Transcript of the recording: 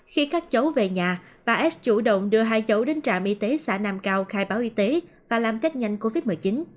khi các cháu về nhà bà s chủ động đưa hai cháu đến trạm y tế xã nam cao khai báo y tế và làm test nhanh covid một mươi chín